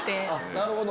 なるほど。